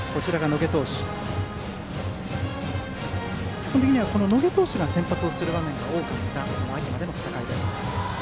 基本的には野下投手が先発することが多かった、秋までの戦いです。